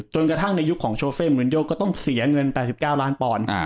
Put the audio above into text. กระทั่งในยุคของโชเฟ่มูลโยก็ต้องเสียเงิน๘๙ล้านปอนด์